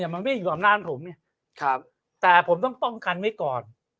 มันวิ่งอยู่อำนาจผมไงแต่ผมต้องป้องกันไว้ก่อน